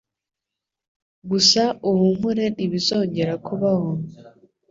gusa uhumure ntibizongera kubaho,